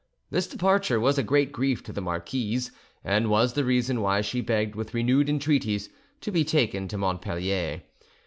This departure was a great grief to the marquise, and was the reason why she begged with renewed entreaties to be taken to Montpellier.